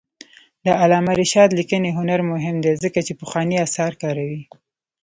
د علامه رشاد لیکنی هنر مهم دی ځکه چې پخواني آثار کاروي.